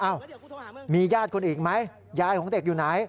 มีญาติคนอีกไหมยายของเด็กอยู่ไหน